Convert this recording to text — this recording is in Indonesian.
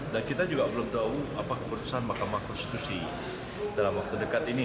dan kita juga belum tahu apa keputusan mahkamah konstitusi dalam waktu dekat ini